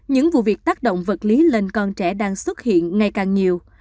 những vụ việc tác động vật lý lên con trẻ đang xuất hiện ngày càng nhiều